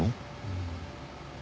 うん。